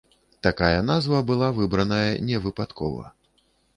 Такая назва была выбраная невыпадкова.